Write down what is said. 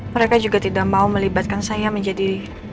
mereka juga tidak mau melibatkan saya menjadi